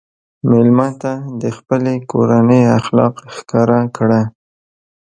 مېلمه ته د خپلې کورنۍ اخلاق ښکاره کړه.